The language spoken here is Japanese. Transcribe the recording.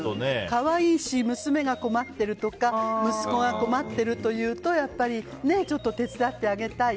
可愛いし、娘が困ってるとか息子が困ってるというとやっぱり手伝ってあげたい。